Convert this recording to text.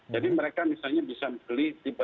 jadi mereka misalnya bisa beli tipe tiga puluh enam